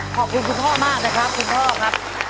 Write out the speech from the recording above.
ขอบคุณครูพ่อมากครับครูพ่อครับ